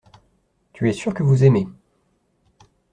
Tu es sûr que vous aimez.